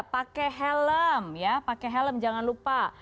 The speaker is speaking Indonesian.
pakai helm ya pakai helm jangan lupa